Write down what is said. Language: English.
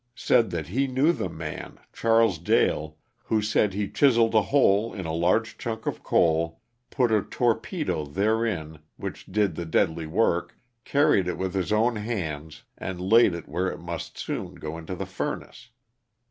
said that he knew the man, Charles Dale, who said he chiseled a hole in a large chunk of coal, put the torpedo therein LOSS OF THE SULTANA. 295 which did the deadly work, carried it with his own hands and laid it where it must soon go into the furnace.